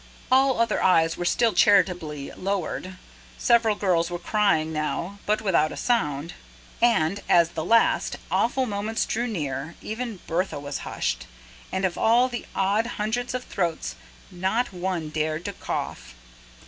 All other eyes were still charitably lowered. Several girls were crying now, but without a sound. And, as the last, awful moments drew near, even Bertha was hushed, and of all the odd hundreds of throats not one dared to cough.